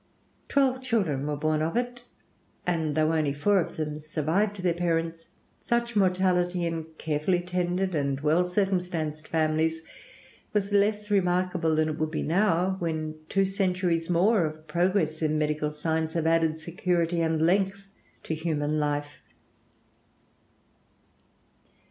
Twelve children were born of it; and though only four of them survived their parents, such mortality in carefully tended and well circumstanced families was less remarkable than it would be now, when two centuries more of progress in medical science have added security and length to human life.